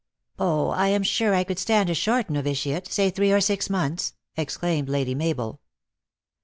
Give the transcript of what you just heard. " Oh, I am sure I could stand a short novitiate, say three or six months," exclaimed Lady Mabel.